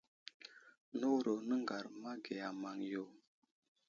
Nəwuro nəŋgar ama ge a maŋyo.